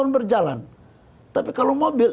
berjalan tapi kalau mobil